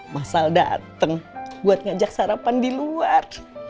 mas al dateng buat ngajak sarapan di luar